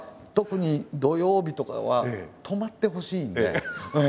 特に土曜日とかは泊まってほしいんで。